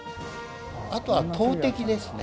あとは投てきですね。